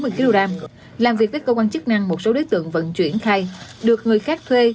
trong việc với cơ quan chức năng một số đối tượng vận chuyển khai được người khác thuê